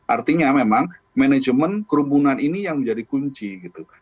artinya memang manajemen kerumbunan ini yang menjadi kunci gitu